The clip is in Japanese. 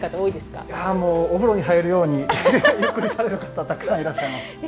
いやもうお風呂に入るようにゆっくりされる方たくさんいらっしゃいます。